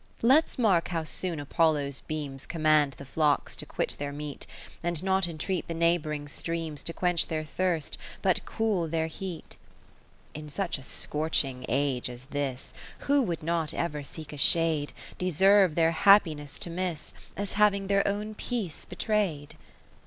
VII Let 's mark how soon Apollo's beams Command the flocks to quit their meat. And not entreat the neighbouring streams To quench their thirst, but cool their heat. (5m) VIII In such a scorching age as this, Who would not ever seek a shade, Deserve their happiness to miss, 31 As having their own peace betray'd.